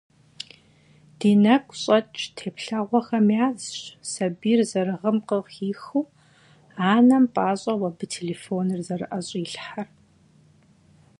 Ди нэгу щӀэкӀ теплъэгъуэхэм язщ сабийр зэрыгъым къыхихыу, анэм пӀащӀэу абы телефоныр зэрыӀэщӀилъхьэр.